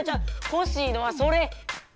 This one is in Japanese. ほしいのはそれ。